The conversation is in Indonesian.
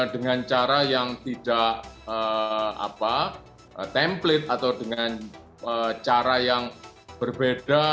dengan cara yang tidak template atau dengan cara yang berbeda